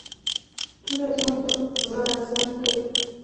توره زما په زغره اثر نه کوي.